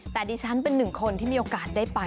แต่ดิฉันเป็นหนึ่งคนที่มีโอกาสได้ไป